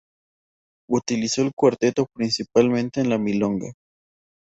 Utilizó el cuarteto principalmente en la milonga.